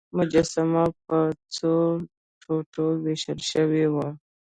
مجسمه په څو ټوټو ویشل شوې وه.